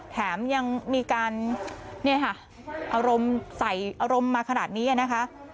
แถมยังมีการอารมณ์ใส่อารมณ์มาขนาดนี้นะคะ